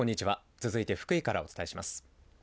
続いて福井からお伝えします。